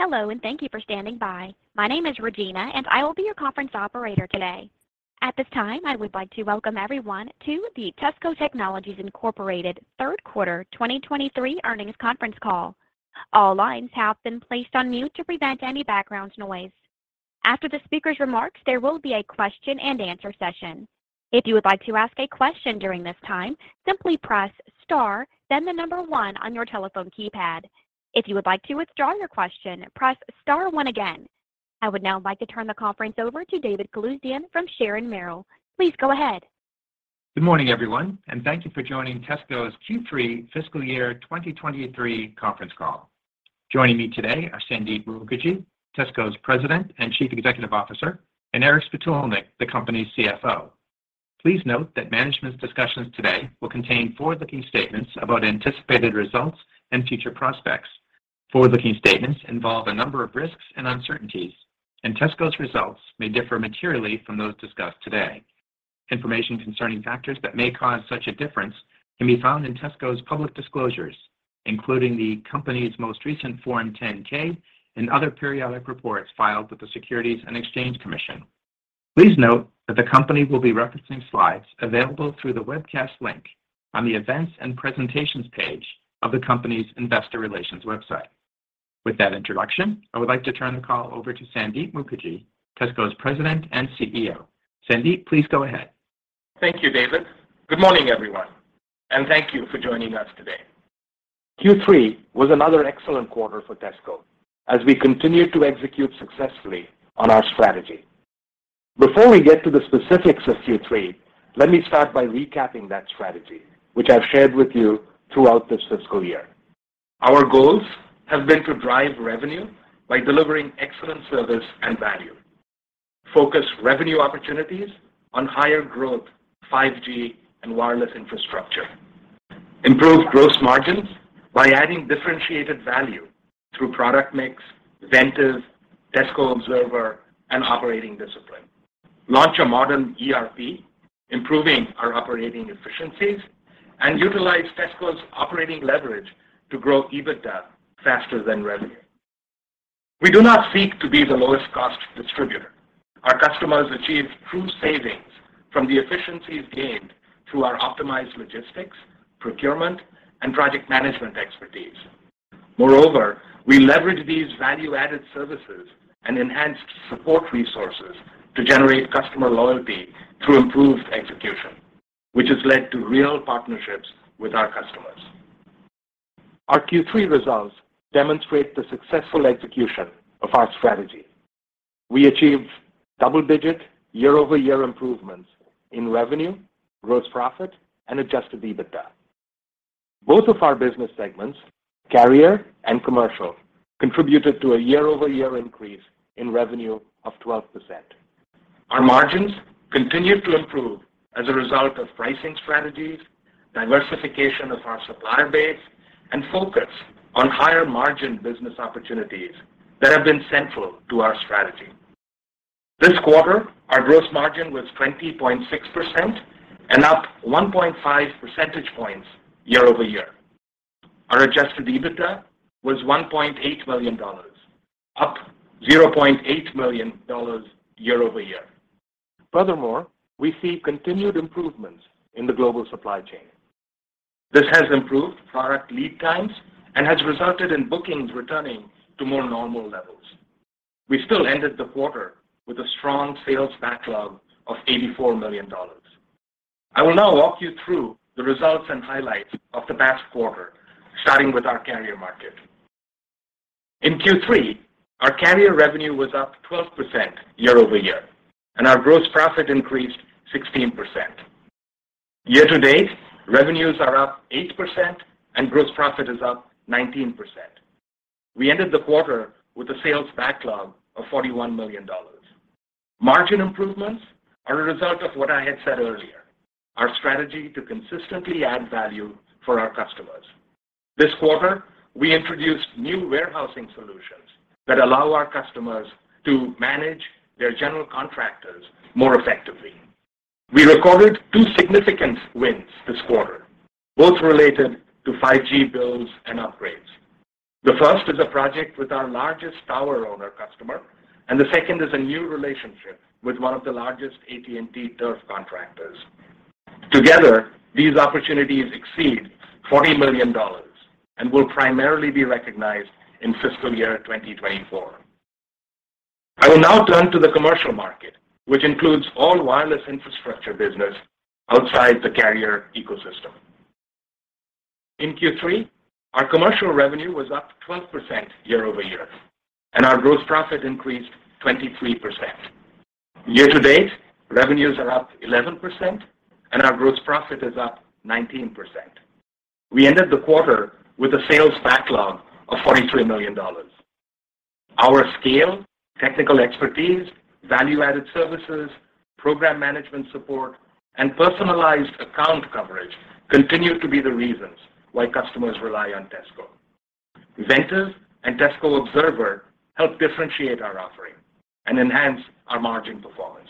Hello, and thank you for standing by. My name is Regina, and I will be your conference operator today. At this time, I would like to welcome everyone to the TESSCO Technologies Incorporated third quarter 2023 earnings conference call. All lines have been placed on mute to prevent any background noise. After the speaker's remarks, there will be a question and answer session. If you would like to ask a question during this time, simply press Star, then 1 on your telephone keypad. If you would like to withdraw your question, press Star 1 again. I would now like to turn the conference over to David Calusdian from Sharon Merrill Associates. Please go ahead. Good morning, everyone, and thank you for joining TESSCO's Q3 fiscal year 2023 conference call. Joining me today are Sandip Mukerjee, TESSCO's President and Chief Executive Officer, and Aric Spitulnik, the company's CFO. Please note that management's discussions today will contain forward-looking statements about anticipated results and future prospects. Forward-looking statements involve a number of risks and uncertainties, and TESSCO's results may differ materially from those discussed today. Information concerning factors that may cause such a difference can be found in TESSCO's public disclosures, including the company's most recent Form 10-K and other periodic reports filed with the Securities and Exchange Commission. Please note that the company will be referencing slides available through the webcast link on the Events and Presentations page of the company's investor relations website. With that introduction, I would like to turn the call over to Sandip Mukerjee, TESSCO's President and CEO. Sandip, please go ahead. Thank you, David. Good morning, everyone, and thank you for joining us today. Q3 was another excellent quarter for TESSCO as we continue to execute successfully on our strategy. Before we get to the specifics of Q3, let me start by recapping that strategy, which I've shared with you throughout this fiscal year. Our goals have been to drive revenue by delivering excellent service and value. Focus revenue opportunities on higher growth, 5G, and wireless infrastructure. Improve gross margins by adding differentiated value through product mix, Ventev, Tessco Observer, and operating discipline. Launch a modern ERP, improving our operating efficiencies, and utilize TESSCO's operating leverage to grow EBITDA faster than revenue. We do not seek to be the lowest cost distributor. Our customers achieve true savings from the efficiencies gained through our optimized logistics, procurement, and project management expertise. Moreover, we leverage these value-added services and enhanced support resources to generate customer loyalty through improved execution, which has led to real partnerships with our customers. Our Q3 results demonstrate the successful execution of our strategy. We achieved double-digit year-over-year improvements in revenue, gross profit, and adjusted EBITDA. Both of our business segments, carrier and commercial, contributed to a year-over-year increase in revenue of 12%. Our margins continued to improve as a result of pricing strategies, diversification of our supplier base, and focus on higher-margin business opportunities that have been central to our strategy. This quarter, our gross margin was 20.6% and up 1.5 percentage points year-over-year. Our adjusted EBITDA was $1.8 million, up $0.8 million year-over-year. Furthermore, we see continued improvements in the global supply chain. This has improved product lead times and has resulted in bookings returning to more normal levels. We still ended the quarter with a strong sales backlog of $84 million. I will now walk you through the results and highlights of the past quarter, starting with our carrier market. In Q3, our carrier revenue was up 12% year-over-year, and our gross profit increased 16%. Year to date, revenues are up 8% and gross profit is up 19%. We ended the quarter with a sales backlog of $41 million. Margin improvements are a result of what I had said earlier, our strategy to consistently add value for our customers. This quarter, we introduced new warehousing solutions that allow our customers to manage their general contractors more effectively. We recorded two significant wins this quarter, both related to 5G builds and upgrades. The first is a project with our largest tower owner customer. The second is a new relationship with one of the largest AT&T turf contractors. Together, these opportunities exceed $40 million and will primarily be recognized in fiscal year 2024. I will now turn to the commercial market, which includes all wireless infrastructure business outside the carrier ecosystem. In Q3, our commercial revenue was up 12% year-over-year. Our gross profit increased 23%. Year to date, revenues are up 11%. Our gross profit is up 19%. We ended the quarter with a sales backlog of $43 million. Our scale, technical expertise, value-added services, program management support, and personalized account coverage continue to be the reasons why customers rely on TESSCO. Ventev and Tessco Observer help differentiate our offering and enhance our margin performance.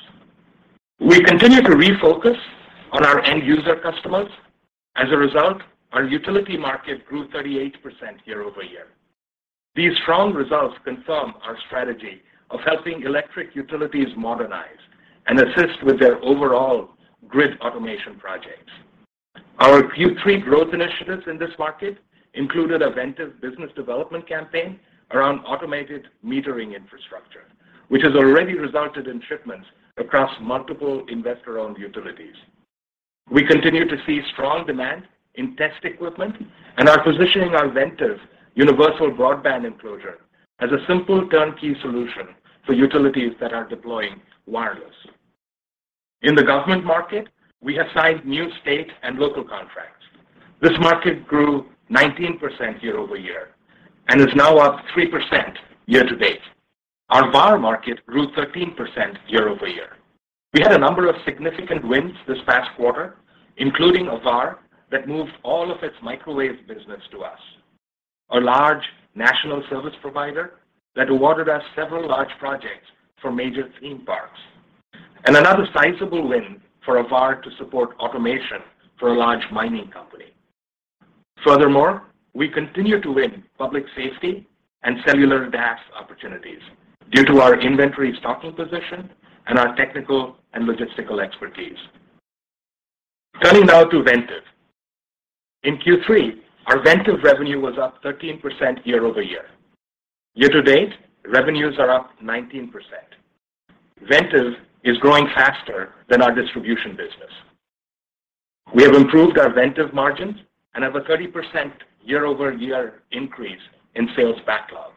We continue to refocus on our end user customers. As a result, our utility market grew 38% year-over-year. These strong results confirm our strategy of helping electric utilities modernize and assist with their overall grid automation projects. Our Q3 growth initiatives in this market included a Ventev business development campaign around Automated Metering Infrastructure, which has already resulted in shipments across multiple investor-owned utilities. We continue to see strong demand in test equipment and are positioning our Ventev Universal Broadband Enclosure as a simple turnkey solution for utilities that are deploying wireless. In the government market, we have signed new state and local contracts. This market grew 19% year-over-year and is now up 3% year to date. Our VAR market grew 13% year-over-year. We had a number of significant wins this past quarter, including a VAR that moved all of its microwave business to us, a large national service provider that awarded us several large projects for major theme parks, and another sizable win for a VAR to support automation for a large mining company. We continue to win public safety and cellular DAS opportunities due to our inventory stocking position and our technical and logistical expertise. Turning now to Ventev. In Q3, our Ventev revenue was up 13% year-over-year. Year to date, revenues are up 19%. Ventev is growing faster than our distribution business. We have improved our Ventev margins and have a 30% year-over-year increase in sales backlog.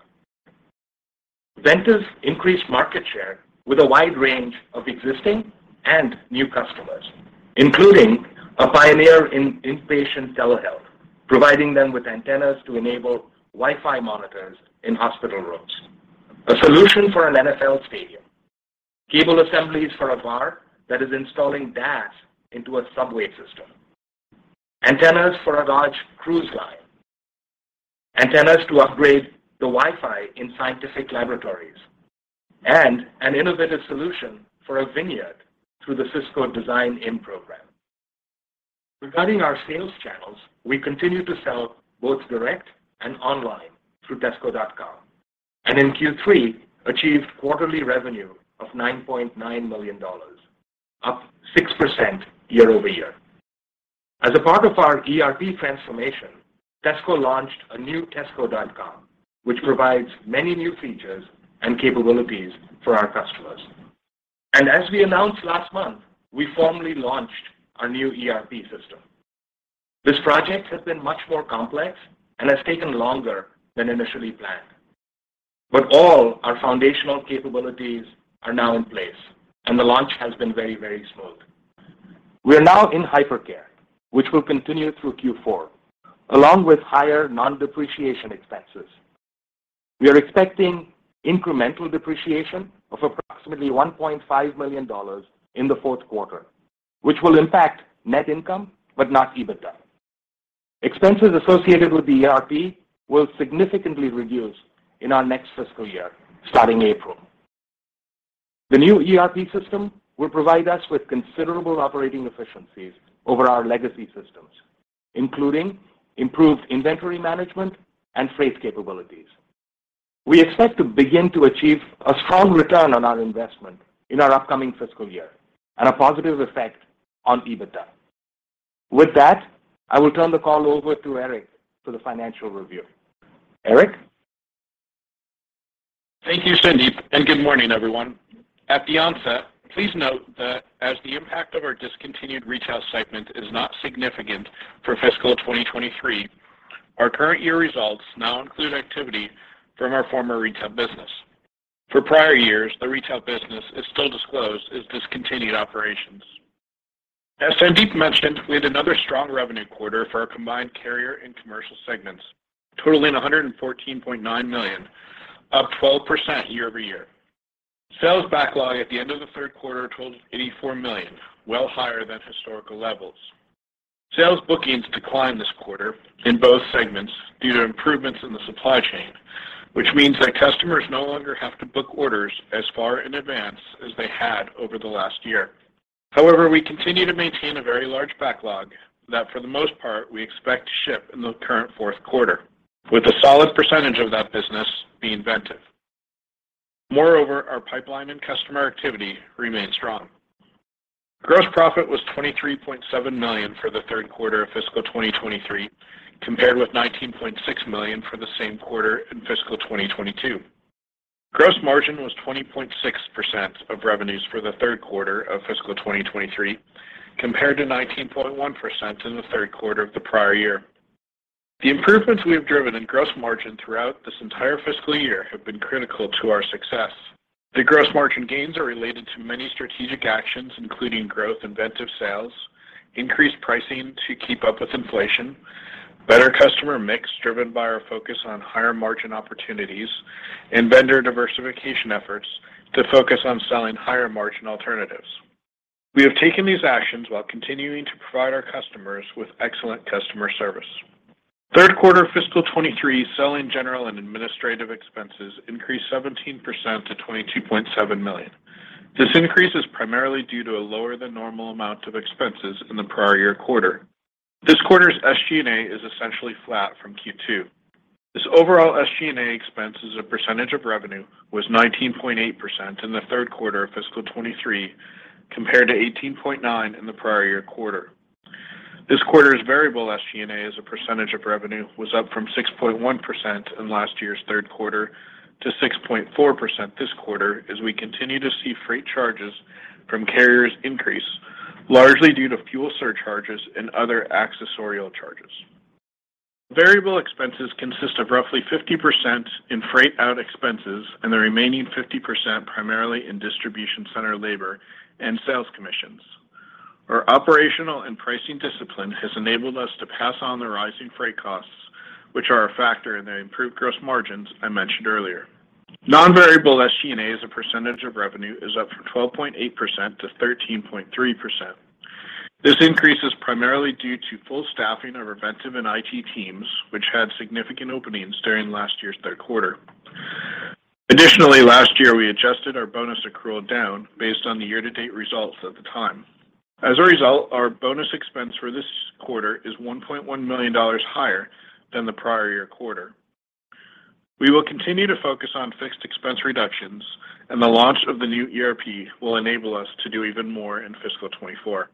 Ventev increased market share with a wide range of existing and new customers, including a pioneer in inpatient telehealth, providing them with antennas to enable Wi-Fi monitors in hospital rooms. A solution for an NFL stadium. Cable assemblies for a VAR that is installing DAS into a subway system. Antennas for a large cruise line. Antennas to upgrade the Wi-Fi in scientific laboratories. An innovative solution for a vineyard through the Cisco IoT Design-In Program. Regarding our sales channels, we continue to sell both direct and online through tessco.com. In Q3, achieved quarterly revenue of $9.9 million, up 6% year-over-year. As a part of our ERP transformation, TESSCO launched a new tessco.com, which provides many new features and capabilities for our customers. As we announced last month, we formally launched our new ERP system. This project has been much more complex and has taken longer than initially planned, but all our foundational capabilities are now in place, and the launch has been very, very smooth. We are now in hypercare, which will continue through Q4, along with higher non-depreciation expenses. We are expecting incremental depreciation of approximately $1.5 million in the fourth quarter, which will impact net income but not EBITDA. Expenses associated with the ERP will significantly reduce in our next fiscal year starting April. The new ERP system will provide us with considerable operating efficiencies over our legacy systems, including improved inventory management and freight capabilities. We expect to begin to achieve a strong return on our investment in our upcoming fiscal year and a positive effect on EBITDA. With that, I will turn the call over to Aric for the financial review. Aric? Thank you, Sandip, and good morning, everyone. At the onset, please note that as the impact of our discontinued retail segment is not significant for fiscal 2023, our current year results now include activity from our former retail business. For prior years, the retail business is still disclosed as discontinued operations. As Sandip mentioned, we had another strong revenue quarter for our combined carrier and commercial segments, totaling $114.9 million, up 12% year-over-year. Sales backlog at the end of the third quarter totaled $84 million, well higher than historical levels. Sales bookings declined this quarter in both segments due to improvements in the supply chain, which means that customers no longer have to book orders as far in advance as they had over the last year. We continue to maintain a very large backlog that for the most part, we expect to ship in the current fourth quarter, with a solid percentage of that business being Ventev. Our pipeline and customer activity remain strong. Gross profit was $23.7 million for the third quarter of fiscal 2023, compared with $19.6 million for the same quarter in fiscal 2022. Gross margin was 20.6% of revenues for the third quarter of fiscal 2023, compared to 19.1% in the third quarter of the prior year. The improvements we have driven in gross margin throughout this entire fiscal year have been critical to our success. The gross margin gains are related to many strategic actions, including growth in Ventev sales, increased pricing to keep up with inflation, better customer mix driven by our focus on higher-margin opportunities, and vendor diversification efforts to focus on selling higher-margin alternatives. We have taken these actions while continuing to provide our customers with excellent customer service. Third quarter fiscal 2023 selling, general and administrative expenses increased 17% to $22.7 million. This increase is primarily due to a lower than normal amount of expenses in the prior year quarter. This quarter's SG&A is essentially flat from Q2. This overall SG&A expense as a percentage of revenue was 19.8% in the third quarter of fiscal 2023, compared to 18.9% in the prior year quarter. This quarter's variable SG&A as a percentage of revenue was up from 6.1% in last year's third quarter to 6.4% this quarter as we continue to see freight charges from carriers increase, largely due to fuel surcharges and other accessorial charges. Variable expenses consist of roughly 50% in freight out expenses and the remaining 50% primarily in distribution center labor and sales commissions. Our operational and pricing discipline has enabled us to pass on the rising freight costs, which are a factor in the improved gross margins I mentioned earlier. Non-variable SG&A as a percentage of revenue is up from 12.8% to 13.3%. This increase is primarily due to full staffing of our Ventev and IT teams, which had significant openings during last year's third quarter. Additionally, last year we adjusted our bonus accrual down based on the year-to-date results at the time. As a result, our bonus expense for this quarter is $1.1 million higher than the prior year quarter. We will continue to focus on fixed expense reductions and the launch of the new ERP will enable us to do even more in fiscal 2024.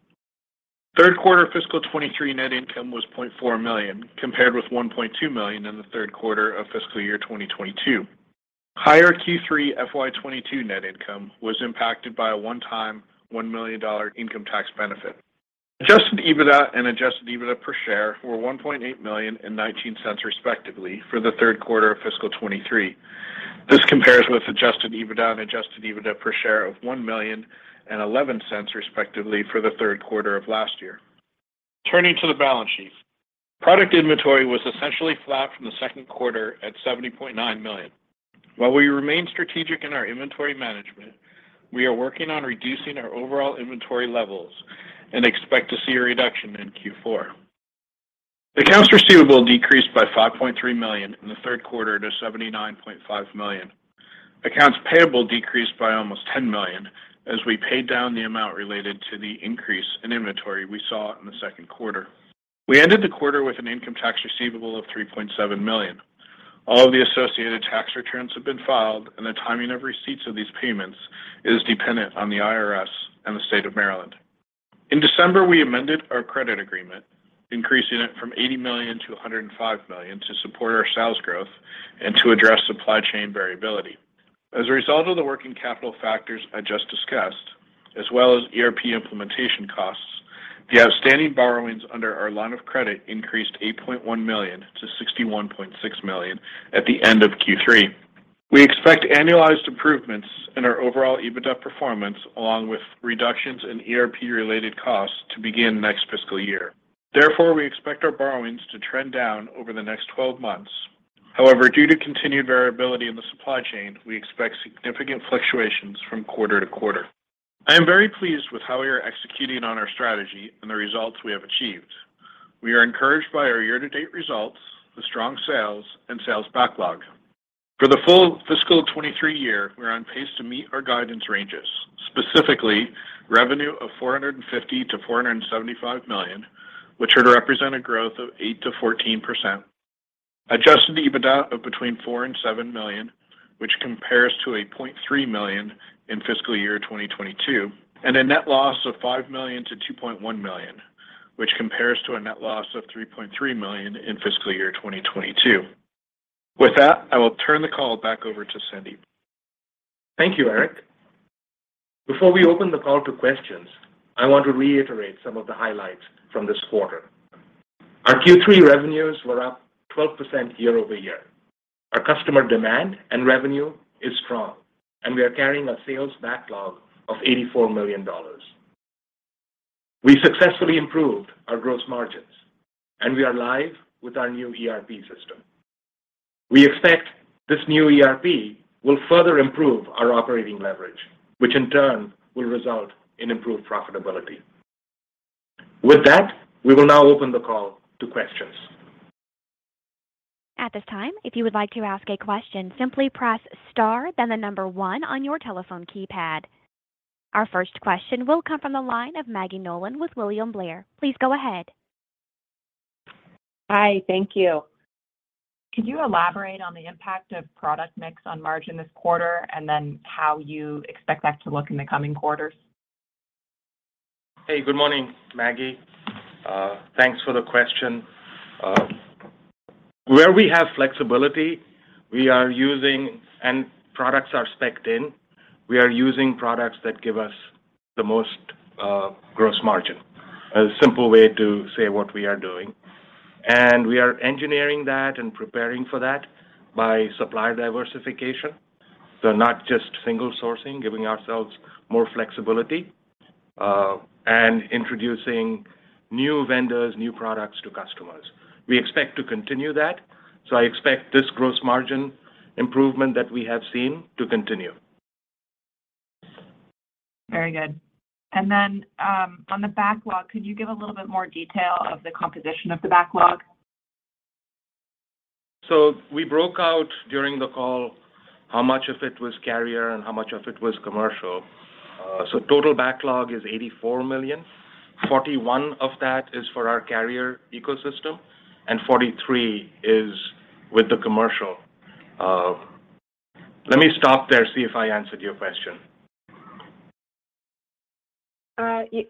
Third quarter fiscal 2023 net income was $0.4 million, compared with $1.2 million in the third quarter of fiscal year 2022. Higher Q3 FY 2022 net income was impacted by a one-time $1 million income tax benefit. Adjusted EBITDA and adjusted EBITDA per share were $1.8 million and $0.19 respectively for the third quarter of fiscal 2023. This compares with adjusted EBITDA and adjusted EBITDA per share of $1 million and $0.11 respectively for the third quarter of last year. Turning to the balance sheet. Product inventory was essentially flat from the second quarter at $70.9 million. While we remain strategic in our inventory management, we are working on reducing our overall inventory levels and expect to see a reduction in Q4. Accounts receivable decreased by $5.3 million in the third quarter to $79.5 million. Accounts payable decreased by almost $10 million as we paid down the amount related to the increase in inventory we saw in the second quarter. We ended the quarter with an income tax receivable of $3.7 million. All the associated tax returns have been filed, the timing of receipts of these payments is dependent on the IRS and the State of Maryland. In December, we amended our credit agreement, increasing it from $80 million to $105 million to support our sales growth and to address supply chain variability. As a result of the working capital factors I just discussed, as well as ERP implementation costs, the outstanding borrowings under our line of credit increased $8.1 million to $61.6 million at the end of Q3. We expect annualized improvements in our overall EBITDA performance, along with reductions in ERP-related costs to begin next fiscal year. Therefore, we expect our borrowings to trend down over the next 12 months. However, due to continued variability in the supply chain, we expect significant fluctuations from quarter to quarter. I am very pleased with how we are executing on our strategy and the results we have achieved. We are encouraged by our year-to-date results, the strong sales, and sales backlog. For the full fiscal 2023 year, we are on pace to meet our guidance ranges, specifically revenue of $450 million-$475 million, which are to represent a growth of 8%-14%. Adjusted EBITDA of between $4 million and $7 million, which compares to a $0.3 million in fiscal year 2022, and a net loss of $5 million-$2.1 million, which compares to a net loss of $3.3 million in fiscal year 2022. With that, I will turn the call back over to Sandip. Thank you, Eric. Before we open the call to questions, I want to reiterate some of the highlights from this quarter. Our Q3 revenues were up 12% year-over-year. Our customer demand and revenue is strong, and we are carrying a sales backlog of $84 million. We successfully improved our gross margins, and we are live with our new ERP system. We expect this new ERP will further improve our operating leverage, which in turn will result in improved profitability. With that, we will now open the call to questions. At this time, if you would like to ask a question, simply press star then 1 on your telephone keypad. Our first question will come from the line of Maggie Nolan with William Blair. Please go ahead. Hi, thank you. Could you elaborate on the impact of product mix on margin this quarter, and then how you expect that to look in the coming quarters? Hey, good morning, Maggie. Thanks for the question. Where we have flexibility, and products are spec-ed in, we are using products that give us the most gross margin. A simple way to say what we are doing. We are engineering that and preparing for that by supplier diversification. Not just single sourcing, giving ourselves more flexibility, and introducing new vendors, new products to customers. We expect to continue that, I expect this gross margin improvement that we have seen to continue. Very good. On the backlog, could you give a little bit more detail of the composition of the backlog? We broke out during the call how much of it was carrier and how much of it was commercial. Total backlog is $84 million. 41 of that is for our carrier ecosystem, and 43 is with the commercial. Let me stop there, see if I answered your question.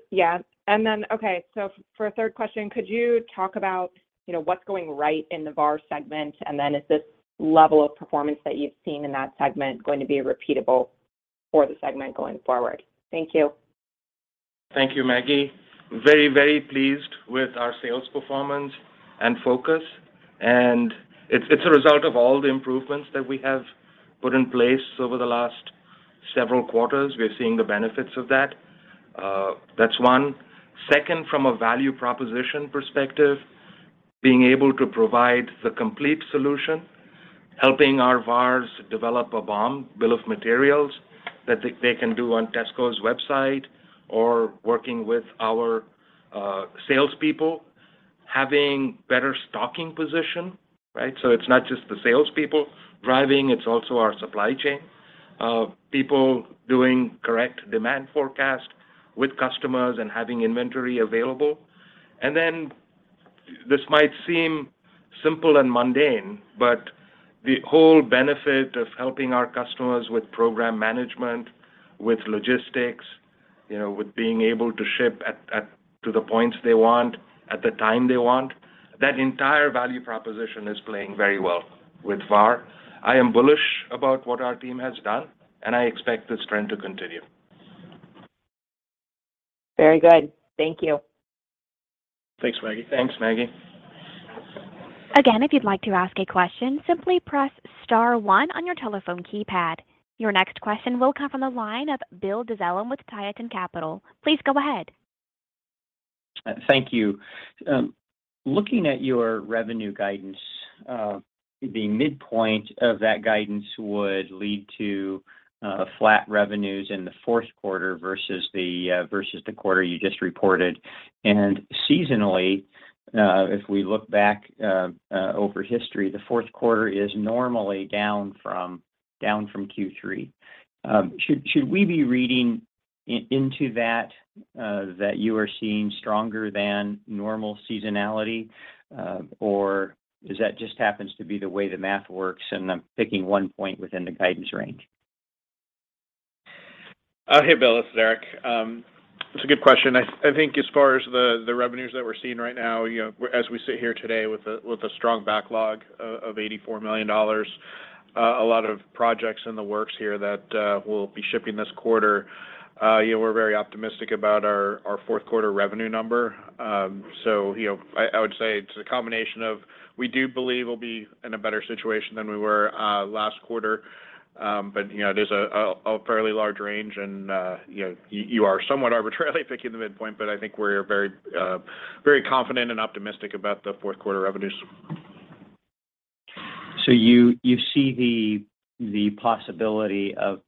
Yes. Okay, for a third question, could you talk about, you know, what's going right in the VAR segment, and then is this level of performance that you've seen in that segment going to be repeatable for the segment going forward? Thank you. Thank you, Maggie. Very pleased with our sales performance and focus, and it's a result of all the improvements that we have put in place over the last several quarters. We're seeing the benefits of that. That's one. Second, from a value proposition perspective, being able to provide the complete solution, helping our VARs develop a BOM, bill of materials, that they can do on TESSCO's website or working with our salespeople, having better stocking position, right? It's not just the salespeople driving, it's also our supply chain of people doing correct demand forecast with customers and having inventory available. This might seem simple and mundane, but the whole benefit of helping our customers with program management, with logistics, you know, with being able to ship to the points they want, at the time they want, that entire value proposition is playing very well with VAR. I am bullish about what our team has done, and I expect this trend to continue. Very good. Thank you. Thanks, Maggie. Thanks, Maggie. Again, if you'd like to ask a question, simply press star one on your telephone keypad. Your next question will come from the line of Bill Dezellem with Tieton Capital. Please go ahead. Thank you. Looking at your revenue guidance, the midpoint of that guidance would lead to flat revenues in the fourth quarter versus the versus the quarter you just reported. Seasonally, if we look back over history, the fourth quarter is normally down from Q3. Should we be reading into that you are seeing stronger than normal seasonality, or does that just happens to be the way the math works, and I'm picking one point within the guidance range? Hey, Bill, this is Aric. That's a good question. I think as far as the revenues that we're seeing right now, you know, as we sit here today with a strong backlog of $84 million, a lot of projects in the works here that we'll be shipping this quarter, you know, we're very optimistic about our fourth quarter revenue number. you know, I would say it's a combination of we do believe we'll be in a better situation than we were, last quarter. you know, there's a fairly large range and, you know, you are somewhat arbitrarily picking the midpoint, but I think we're very, very confident and optimistic about the fourth quarter revenues. You see the possibility of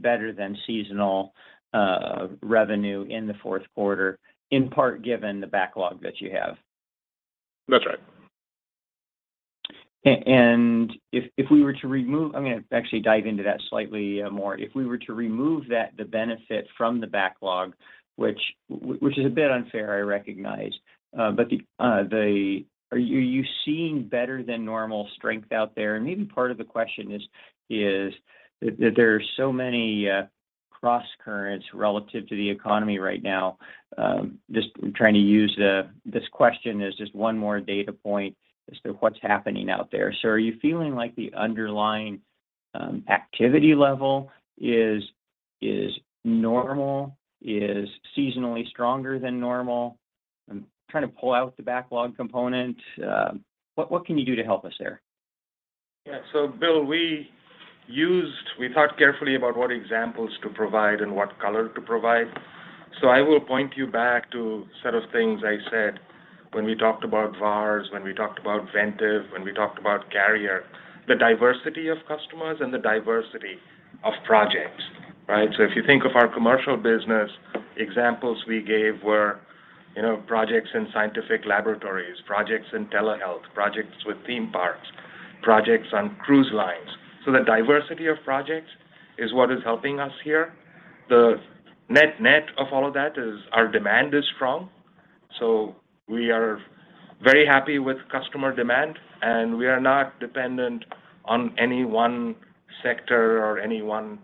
better than seasonal revenue in the fourth quarter, in part given the backlog that you have? That's right. If we were to remove... I'm gonna actually dive into that slightly more. If we were to remove that, the benefit from the backlog, which is a bit unfair, I recognize. Are you seeing better than normal strength out there? Maybe part of the question is that there are so many crosscurrents relative to the economy right now. Just trying to use this question as just one more data point as to what's happening out there. Are you feeling like the underlying activity level is normal, is seasonally stronger than normal? I'm trying to pull out the backlog component. What can you do to help us there? Yeah. Bill Dezellem, We thought carefully about what examples to provide and what color to provide. I will point you back to set of things I said when we talked about VARs, when we talked about Ventev, when we talked about carrier, the diversity of customers and the diversity of projects, right? If you think of our commercial business, examples we gave were, you know, projects in scientific laboratories, projects in telehealth, projects with theme parks, projects on cruise lines. The diversity of projects is what is helping us here. The net-net of all of that is our demand is strong, so we are very happy with customer demand, and we are not dependent on any one sector or any one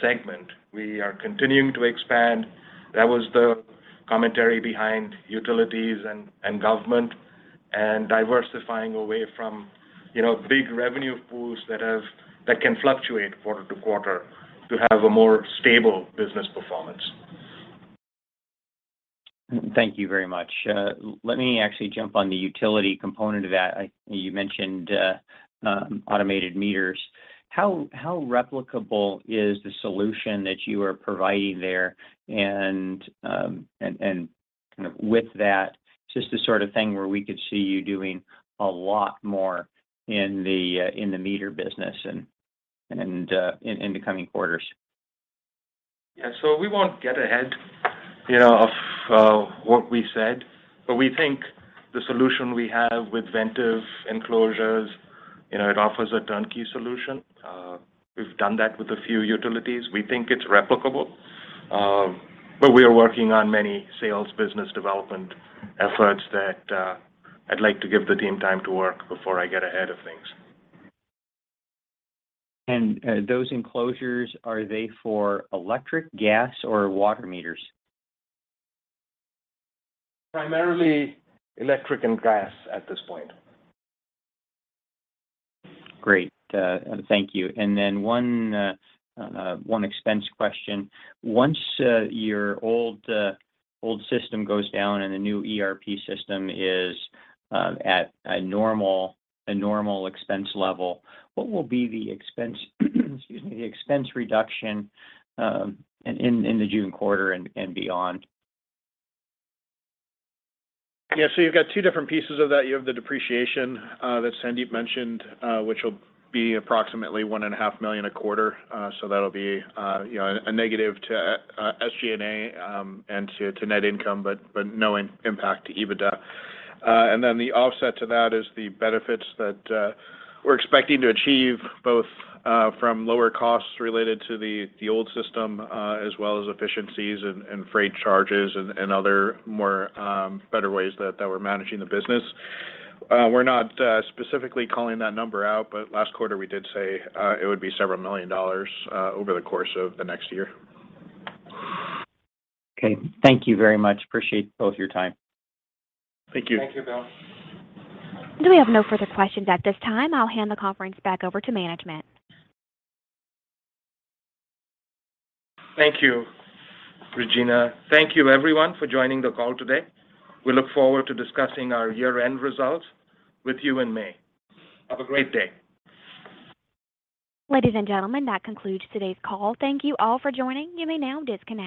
segment. We are continuing to expand. That was the commentary behind utilities and government and diversifying away from, you know, big revenue pools that can fluctuate quarter to quarter to have a more stable business performance. Thank you very much. Let me actually jump on the utility component of that. You mentioned automated meters. How replicable is the solution that you are providing there and Kind of with that, just the sort of thing where we could see you doing a lot more in the meter business and in the coming quarters. Yeah. We won't get ahead, you know, of what we said, but we think the solution we have with Ventev enclosures, you know, it offers a turnkey solution. We've done that with a few utilities. We think it's replicable. We are working on many sales business development efforts that I'd like to give the team time to work before I get ahead of things. Those enclosures, are they for electric, gas, or water meters? Primarily electric and gas at this point. Great. Thank you. One expense question. Once, your old system goes down and the new ERP system is at a normal expense level, what will be the expense reduction in the June quarter and beyond? You've got two different pieces of that. You have the depreciation that Sandip mentioned, which will be approximately one and a half million a quarter. That'll be, you know, a negative to SG&A and to net income, but no impact to EBITDA. Then the offset to that is the benefits that we're expecting to achieve both from lower costs related to the old system, as well as efficiencies and freight charges and other more better ways that we're managing the business. We're not specifically calling that number out, but last quarter we did say it would be several million dollars over the course of the next year. Okay. Thank you very much. Appreciate both your time. Thank you. Thank you, Bill. We have no further questions at this time. I'll hand the conference back over to management. Thank you, Regina. Thank you everyone for joining the call today. We look forward to discussing our year-end results with you in May. Have a great day. Ladies and gentlemen, that concludes today's call. Thank you all for joining. You may now disconnect.